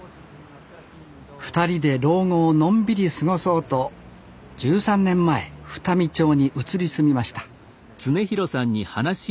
２人で老後をのんびり過ごそうと１３年前双海町に移り住みました